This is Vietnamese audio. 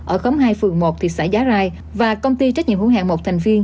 ở khóm hai phường một thị xã giá rai và công ty trách nhiệm hữu hạng một thành viên